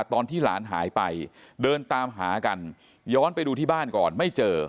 ตอนที่หลานหายไปเดินตามหากันย้อนไปดูที่บ้านก่อนไม่เจอ